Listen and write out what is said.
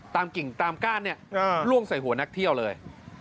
กิ่งตามก้านเนี่ยล่วงใส่หัวนักเที่ยวเลย